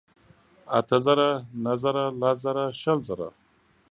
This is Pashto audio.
اتۀ زره ، نهه زره لس ژره شل زره